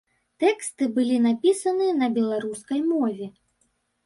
Тэксты былі напісаны на беларускай мове.